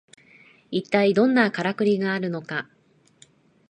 いったいどんなカラクリがあるのか